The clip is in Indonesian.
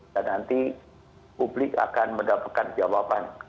dan nanti publik akan mendapatkan jawaban